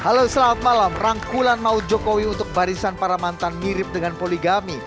halo selamat malam rangkulan maut jokowi untuk barisan para mantan mirip dengan poligami